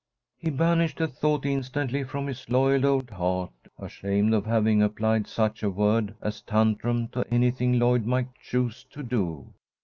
He banished the thought instantly from his loyal old heart, ashamed of having applied such a word as tantrum to anything Lloyd might choose to do.